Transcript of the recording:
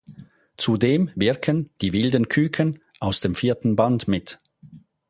Zudem wirken "„Die Wilden Küken“" aus dem vierten Band mit.